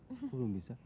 ya belum bisa